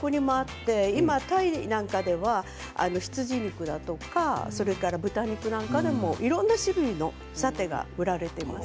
でも、どこにでもあって今、タイなんかでは羊肉だとか豚肉なんかでもいろんな種類のサテが売られています。